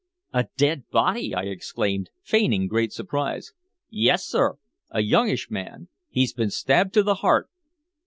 "A dead body!" I exclaimed, feigning great surprise. "Yes, sir a youngish man. He'd been stabbed to the heart."